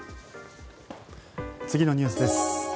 次のニュースです。